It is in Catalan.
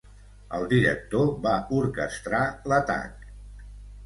El director va orquestrar l’atac.